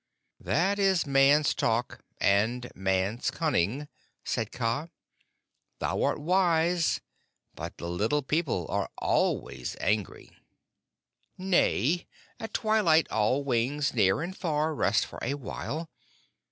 "That is Man's talk and Man's cunning," said Kaa. "Thou art wise, but the Little People are always angry." "Nay, at twilight all wings near and far rest for a while.